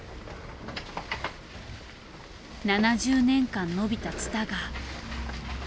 ７０年間伸びたツタが。